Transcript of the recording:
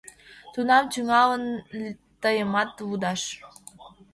Тунам тӱҥалыт тыйымат лудаш».